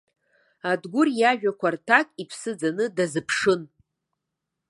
Адгәыр иажәақәа рҭак иԥсы ӡаны дазыԥшын.